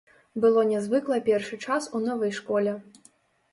Было нязвыкла першы час у новай школе.